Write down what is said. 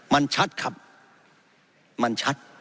มันชัดครับมันชัด